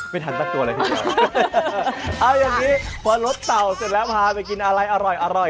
ไม่ทันตั้งตัวเลยเอาอย่างนี้พอรสเต่าเสร็จแล้วพาไปกินอะไรอร่อยอร่อย